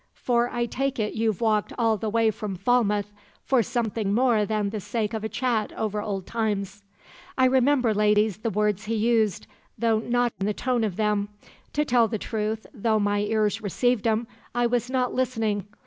For I take it you've walked all the way from Falmouth for something more than the sake of a chat over old times.' "I remember, ladies, the words he used, though not the tone of them. To tell the truth, though my ears received 'em, I was not listening.